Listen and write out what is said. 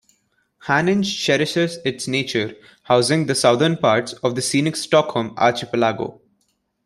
Haninge cherishes its nature, housing the southern parts of the scenic Stockholm archipelago.